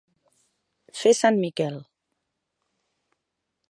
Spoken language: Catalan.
Fer Sant Miquel.